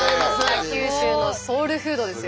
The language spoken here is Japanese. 北九州のソウルフードですよね。